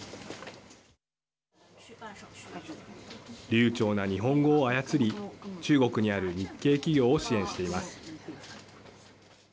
流ちょうな日本語を操り中国にある日系企業を支援しています。